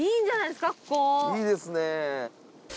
いいですね。